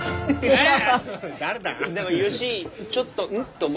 えっ？